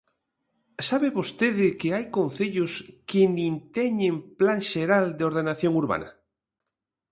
¿Sabe vostede que hai concellos que nin teñen plan xeral de ordenación urbana?